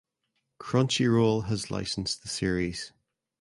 Crunchyroll has licensed the series.